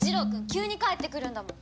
急に帰ってくるんだもん。